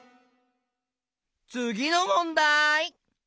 つぎのもんだい！